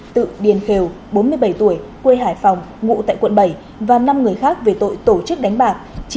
tự điền khèo bốn mươi bảy tuổi quê hải phòng ngủ tại quận bảy và năm người khác về tội tổ chức đánh bạc